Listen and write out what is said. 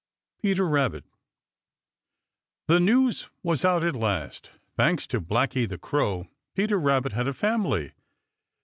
Peter Rabbit. The news was out at last, thanks to Blacky the Crow. Peter Rabbit had a family!